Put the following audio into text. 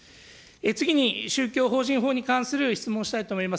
次に、宗教法人法に関する質問したいと思います。